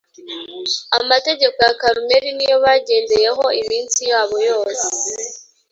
amategeko ya Karumeli niyo bagendeyeho iminsi yabo yose